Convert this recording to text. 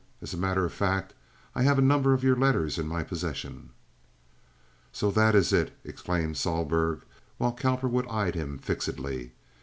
As a matter of fact, I have a number of your letters in my possession." "Saw that ees it!" exclaimed Sohlberg, while Cowperwood eyed him fixedly.